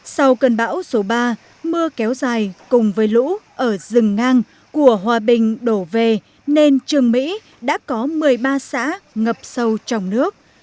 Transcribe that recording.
sau cơn bão số ba mưa kéo dài cùng với lũ ở rừng ngang của hòa bình đổ về nên trường mỹ đã có một mươi ba xã ngập sâu trong nước